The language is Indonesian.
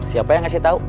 siapa yang ngasih tahu